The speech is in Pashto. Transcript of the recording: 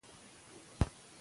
پیاوړی حکومت باید ظالم نه وي.